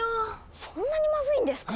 そんなにまずいんですか？